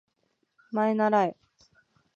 まえならえ